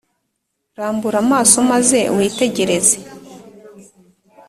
rambura amaso maze witegereze,